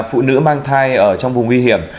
phụ nữ mang thai ở trong vùng nguy hiểm